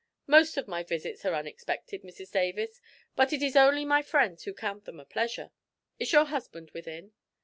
"Most of my visits are unexpected, Mrs Davis, but it is only my friends who count them a pleasure. Is your husband within?"